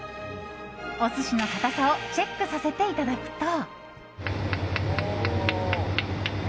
お寿司の硬さをチェックさせていただくと。